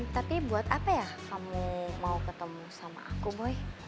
tapi buat apa ya kamu mau ketemu sama aku boy